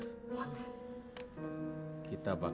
surat dari siapa pak